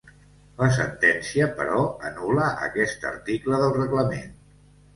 La sentència, però, anul·la aquest article del reglament.